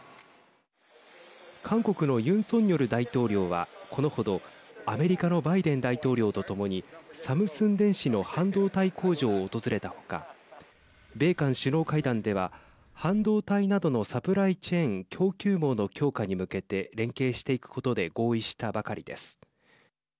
韓国のユン・ソンニョル大統領はこのほどアメリカのバイデン大統領とともにサムスン電子の半導体工場を訪れたほか米韓首脳会談では半導体などのサプライチェーン＝供給網の強化に向けて連携していくことで合意したばかりです。